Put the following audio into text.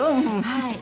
はい。